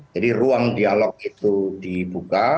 jadi ruang dialog itu dibuka